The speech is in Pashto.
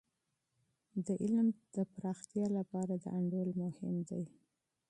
د علم د پراختیا لپاره د انډول مهم دی.